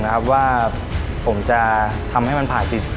๓๘คะแนนจาก๓ท่านนะคะ